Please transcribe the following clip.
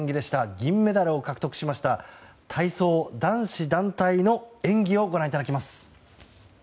銀メダルを獲得しました体操男子団体の演技をご覧いただきます。